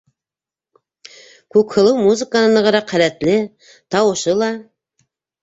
Күкһылыу музыканан нығыраҡ һәләтле, тауышы ла...